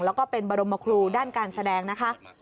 แล้วก็เป็นบรมครูด้านการแสดงนะคะ